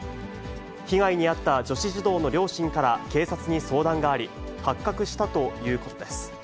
被害に遭った女子児童の両親から警察に相談があり、発覚したということです。